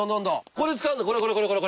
これ使うのこれこれこれこれ。